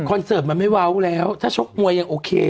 เสิร์ตมันไม่เว้าแล้วถ้าชกมวยยังโอเค